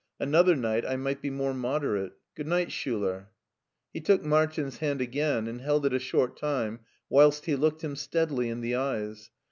Another night I might be more moderate. Good night, Schiiler." He took Martin's hand again and held it a short time whilst he looked him steadily in the eyes.